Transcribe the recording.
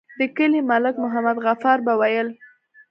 د کلي ملک محمد غفار به ويل.